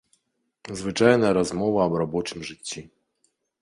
Звычайная размова аб рабочым жыцці.